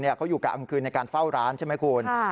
เขาอยู่กลางคืนในการเฝ้าร้านใช่ไหมคุณ